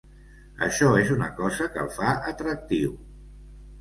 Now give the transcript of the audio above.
Això és una cosa que el fa atractiu.